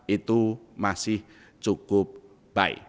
itu masih cukup baik